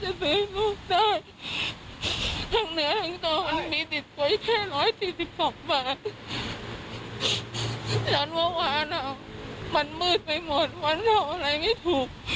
ฉันเมื่อวานครับมันมืดไปหมดวันทำอะไรไม่ถูก